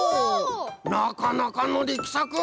なかなかのりきさく！